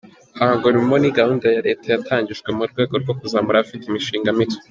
Hanga umurimo ni gahunda ya leta yatangijwe mu rwego rwo kuzamura abafite imishinga mito.